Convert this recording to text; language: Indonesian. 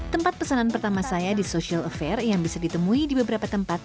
tempat pesanan pertama saya di social affair yang bisa ditemui di beberapa tempat